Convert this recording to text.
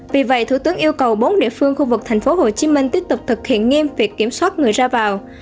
vì vậy thủ tướng yêu cầu bốn địa phương khu vực thành phố hồ chí minh tiếp tục thực hiện nghiêm việc kiểm soát người ra vào